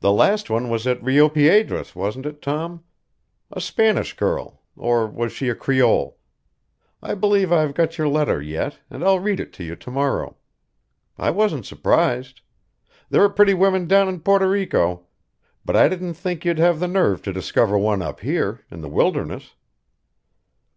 The last one was at Rio Piedras, wasn't it, Tom? A Spanish girl, or was she a Creole? I believe I've got your letter yet, and I'll read it to you to morrow. I wasn't surprised. There are pretty women down in Porto Rico. But I didn't think you'd have the nerve to discover one up here in the wilderness."